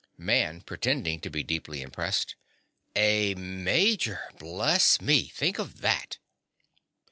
MAN. (pretending to be deeply impressed). A Major! Bless me! Think of that!